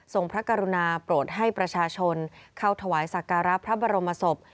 พระกรุณาโปรดให้ประชาชนเข้าถวายสักการะพระบรมศพ